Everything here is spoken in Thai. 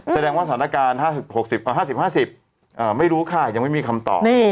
แสดงว่าสถานการณ์๕๐๕๐ไม่รู้ค่ะยังไม่มีคำตอบ